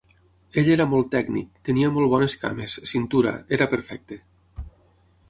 Ell era molt tècnic, tenia molt bones cames, cintura, era perfecte.